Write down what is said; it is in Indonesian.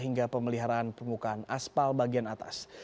hingga pemeliharaan permukaan aspal bagian atas